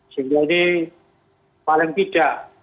sehingga ini paling tidak